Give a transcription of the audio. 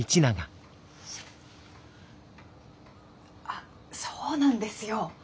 あそうなんですよ。